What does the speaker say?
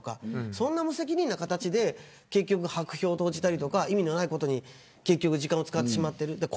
そんな無責任な形で結局、白票を投じたりとか意味のないことに時間を使ってしまっている。